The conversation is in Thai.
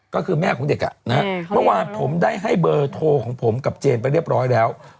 ก็คือแม่ของเด็กเมื่อวานผมได้ให้เบอร์โทรของผมกับเจนไปเรียบร้อยแล้ว